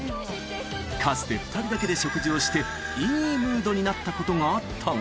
かつて２人だけで食事をして、いいムードになったことがあったが。